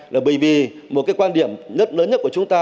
là bởi vì một cái quan điểm rất lớn nhất của chúng ta